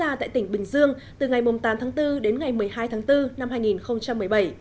ca tại tỉnh bình dương từ ngày tám tháng bốn đến ngày một mươi hai tháng bốn năm hai nghìn một mươi bảy